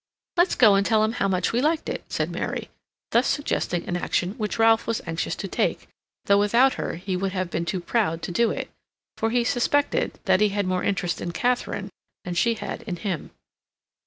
"Let's go and tell him how much we liked it," said Mary, thus suggesting an action which Ralph was anxious to take, though without her he would have been too proud to do it, for he suspected that he had more interest in Katharine than she had in him.